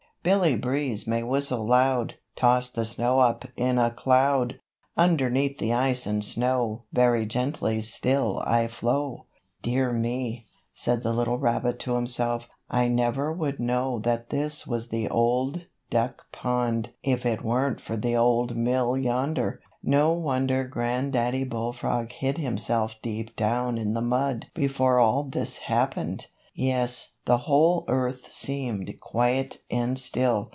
"Billy Breeze may whistle loud Toss the snow up in a cloud, Underneath the ice and snow Very gently still I flow." "Dear me," said the little rabbit to himself, "I never would know that this was the Old Duck Pond if it weren't for the Old Mill yonder. No wonder Granddaddy Bullfrog hid himself deep down in the mud before all this happened." Yes, the whole earth seemed quiet and still.